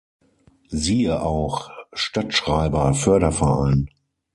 Siehe auch: Stadtschreiber, Förderverein